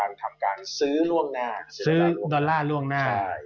ในการซื้อล่วงหน้า